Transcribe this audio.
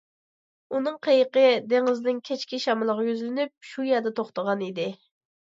ئۇنىڭ قېيىقى دېڭىزنىڭ كەچكى شامىلىغا يۈزلىنىپ، شۇ يەردە توختىغان ئىدى.